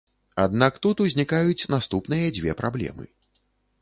Аднак тут узнікаюць наступныя дзве праблемы.